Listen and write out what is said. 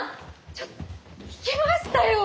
ちょっと聞きましたよ！